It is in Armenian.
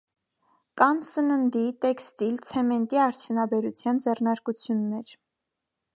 Կան սննդի, տեքստիլ, ցեմենտի արդյունաբերության ձեռնարկություններ։